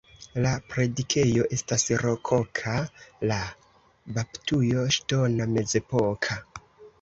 La predikejo estas rokoka, la baptujo ŝtona, mezepoka.